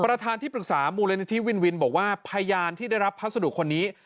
ประธานที่ปรึกษามูลนิธิวินวินบอกว่าพยานที่ได้รับพัสดุคนนี้